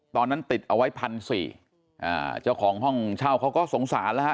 ตอนนั้นติดเอาไว้พันสี่อ่าเจ้าของห้องเช่าเขาก็สงสารแล้วฮะ